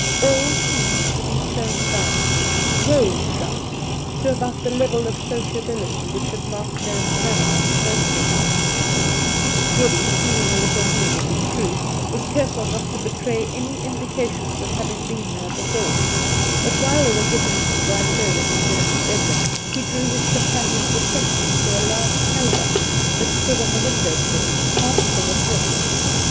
All seemed to be toned down, weighed down, to abouf ihe level of sociability which had marked Nairn's manner on the first visit, Geddy, feeling a little mean, it is true, was careful not to betray any indications of having been there before, but while they were getting into dry clothing in Nairn's ' bedroom, he drew his companion's attention to a large calabash that stood on the window sill half : full of milk.